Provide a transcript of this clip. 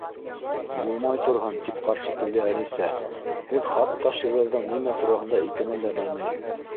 —Булмай торһон! —тип ҡаршы килде Әлисә. —һеҙ хатта шиғырҙың нимә тураһында икәнен дә белмәйһегеҙ.